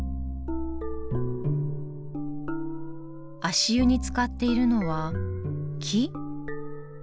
足湯につかっているのは木？